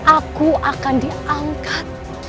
aku akan diangkat